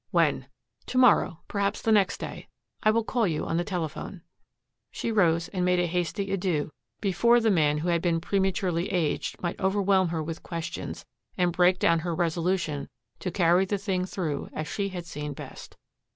"When?" "To morrow, perhaps the next day. I will call you on the telephone." She rose and made a hasty adieu before the man who had been prematurely aged might overwhelm her with questions and break down her resolution to carry the thing through as she had seen best.